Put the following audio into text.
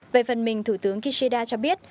về phần mình thủ tướng kishida cho biết